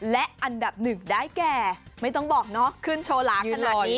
และอันดับหนึ่งได้แก่ไม่ต้องบอกเนาะขึ้นโชว์หลาขนาดนี้